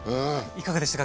いかがでしたか？